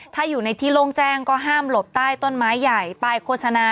ถ้าอยู่ในที่โล่งแจ้งก็ห้ามหลบใต้ต้นไม้ใหญ่ป้ายโฆษณา